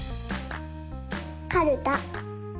かるた。